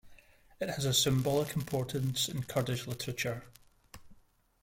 It has a symbolic importance in Kurdish literature.